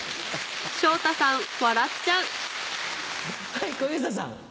はい小遊三さん。